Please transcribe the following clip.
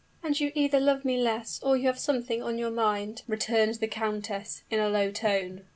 "And you either love me less, or you have something on your mind," returned the countess, in a low tone.